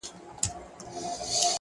د دغه ښار ښکلي غزلي خیالوري غواړي _